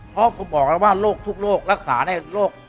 เพราะผมบอกแล้วว่าโรคทุกโรครักษาได้โรค